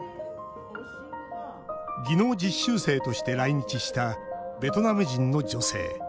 技能実習生として来日したベトナム人の女性。